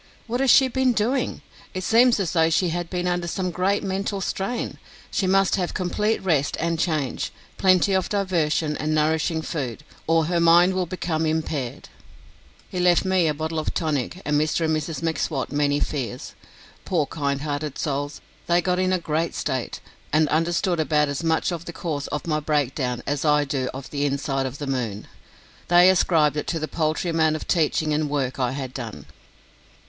"What has she been doing? It seems as though she had been under some great mental strain. She must have complete rest and change, plenty of diversion and nourishing food, or her mind will become impaired." He left me a bottle of tonic and Mr and Mrs M'Swat many fears. Poor kind hearted souls, they got in a great state, and understood about as much of the cause of my breakdown as I do of the inside of the moon. They ascribed it to the paltry amount of teaching and work I had done.